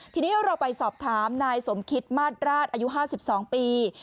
ทีนี้เราไปสอบถามนายสมคิตมาตรราชอายุ๕๒ปี